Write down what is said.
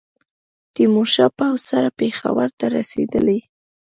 تېمورشاه پوځ سره پېښور ته رسېدلی.